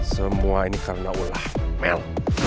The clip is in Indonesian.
semua ini karena ulah mel